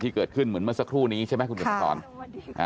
ที่เกิดขึ้นเหมือนเมื่อสักครู่นี้ใช่ไหมคุณผู้ชมครับ